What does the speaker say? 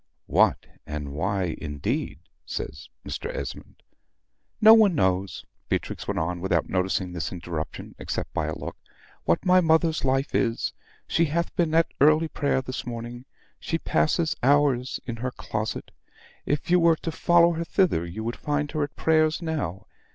"What, and why, indeed," says Mr. Esmond. "No one knows," Beatrix went on, without noticing this interruption except by a look, "what my mother's life is. She hath been at early prayer this morning; she passes hours in her closet; if you were to follow her thither, you would find her at prayers now.